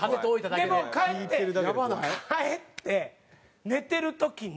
でもう帰って帰って寝てる時に。